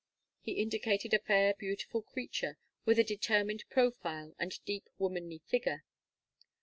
He indicated a fair beautiful creature with a determined profile and deep womanly figure.